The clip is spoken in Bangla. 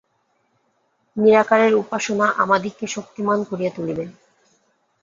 নিরাকারের উপাসনা আমাদিগকে শক্তিমান করিয়া তুলিবে।